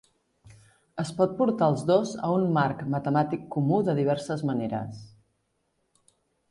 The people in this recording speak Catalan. Es pot portar els dos a un marc matemàtic comú de diverses maneres.